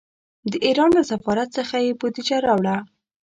د ایران له سفارت څخه یې بودجه راوړه.